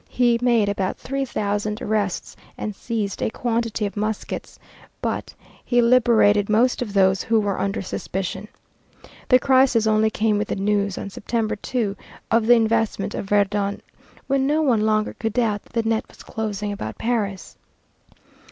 He made about three thousand arrests and seized a quantity of muskets, but he liberated most of those who were under suspicion. The crisis only came with the news, on September 2, of the investment of Verdun, when no one longer could doubt that the net was closing about Paris.